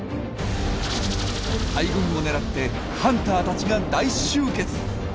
大群を狙ってハンターたちが大集結！